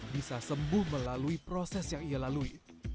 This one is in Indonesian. bisa sembuh melalui proses yang ia lalui